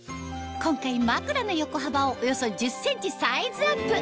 今回まくらの横幅をおよそ１０ｃｍサイズアップ